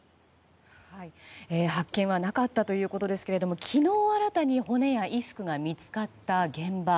発見はなかったということですけれども昨日新たに骨や衣服が見つかった現場。